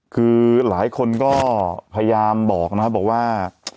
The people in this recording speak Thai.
คือหลายคนก็พยายามบอกนะครับบอกว่า